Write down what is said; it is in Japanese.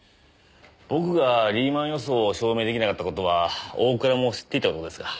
僕がリーマン予想を証明出来なかった事は大倉も知っていた事ですが。